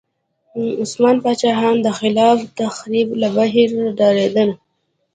عثماني پاچاهان د خلاق تخریب له بهیره ډارېدل.